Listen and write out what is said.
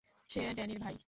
সে ড্যানির ভাই।